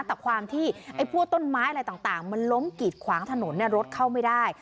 แต่ความที่ไอ้พวกต้นไม้อะไรต่างมันล้มกีดขวางถนนรถเข้าไม่ได้